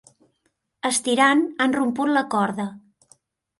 Estirant, han romput la corda.